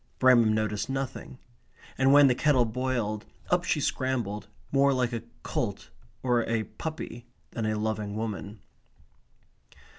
Bramham noticed nothing. And when the kettle boiled, up she scrambled, more like a colt or a puppy than a loving woman.